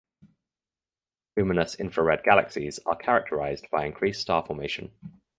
Luminous infrared galaxies are characterised by increased star formation.